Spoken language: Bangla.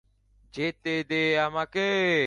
যেতে দে আমাকে।